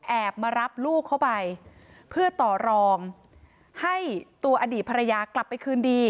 มารับลูกเข้าไปเพื่อต่อรองให้ตัวอดีตภรรยากลับไปคืนดี